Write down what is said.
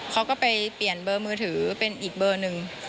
เขาก็ไปเปลี่ยนเบอร์มือถือเป็นอีกเบอร์หนึ่ง